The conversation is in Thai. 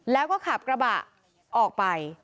แล้วก็ขับกระบะออกไป